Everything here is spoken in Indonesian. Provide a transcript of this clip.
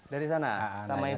dari sana sama ibu